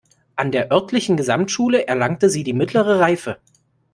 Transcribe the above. An der örtlichen Gesamtschule erlangte sie die mittlere Reife.